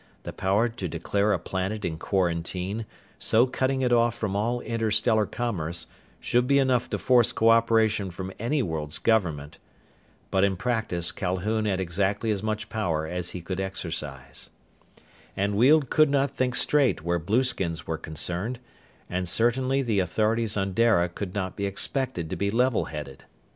The power to declare a planet in quarantine, so cutting it off from all interstellar commerce, should be enough to force cooperation from any world's government. But in practice Calhoun had exactly as much power as he could exercise. And Weald could not think straight where blueskins were concerned, and certainly the authorities on Dara could not be expected to be levelheaded.